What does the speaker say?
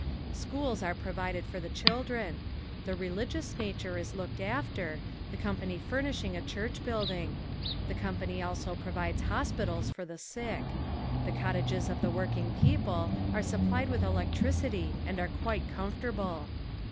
Schools are provided for the children. The religious nature is looked after, the company furnishing a church building. The company also provides hospitals for the sick. The cottages of the working people are supplied with electricity and are quite comfortable.